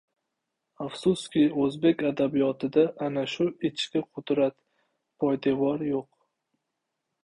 Afsuski, o‘zbek adabiyoti-da ana shu ichki qudrat — poydevor yo‘q.